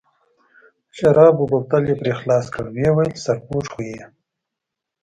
د شرابو بوتل یې پرې خلاص کړ، ویې ویل: سرپوښ خو یې.